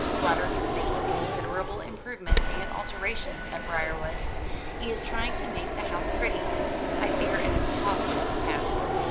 "Roderick is making considerable improvements and alterations at Briarwood. He is trying to make the house pretty I fear an impossible task.